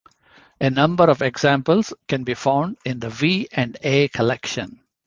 A number of examples can be found in the V and A collection.